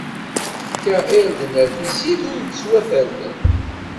Tefka irden ar tessirt, ur ttwafernen.